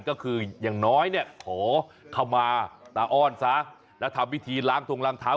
ก็คืออย่างน้อยเนี่ยขอขมาตาอ้อนซะแล้วทำพิธีล้างทงล้างเท้า